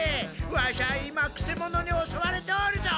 ワシは今くせ者におそわれておるぞ！